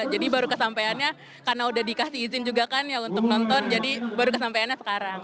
jadi baru kesampeannya karena udah dikasih izin juga kan ya untuk nonton jadi baru kesampeannya sekarang